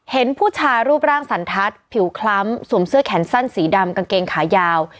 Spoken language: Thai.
เห็นผู้ชายรูปร่างสันทัศน์ผิวคล้ำสวมเสื้อแขนสั้นสีดำกางเกงขายาว